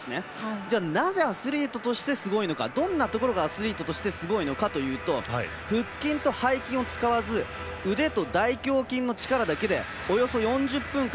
じゃあ、なぜアスリートとしてすごいのかどんなところがアスリートとしてすごいのかというと腹筋を背筋を使わず腕と大胸筋の力だけでおよそ４０分間